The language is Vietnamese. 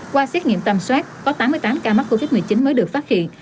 qua xét nghiệm tầm soát có tám mươi tám ca mắc covid một mươi chín mới được phát hiện